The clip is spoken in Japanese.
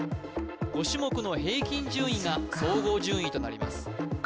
５種目の平均順位が総合順位となります